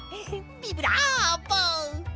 ビブラーボ！